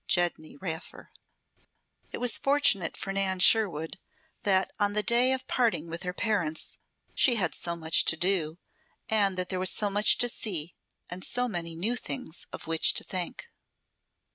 GEDNEY RAFFER It was fortunate for Nan Sherwood that on the day of parting with her parents she had so much to do, and that there was so much to see, and so many new things of which to think.